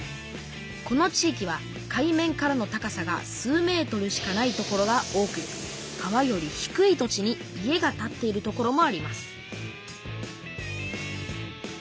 この地域は海面からの高さが数ｍしかない所が多く川より低い土地に家が建っている所もあります